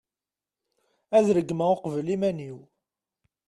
ad regmeɣ uqbel iman-iw